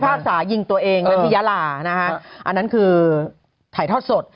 ชาติศาสตร์ยิงตัวเองรัฐพิยาหล่าอันนั้นคือถ่ายทอดสด